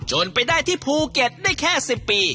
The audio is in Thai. ไปได้ที่ภูเก็ตได้แค่๑๐ปี